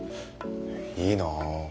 いいなぁ。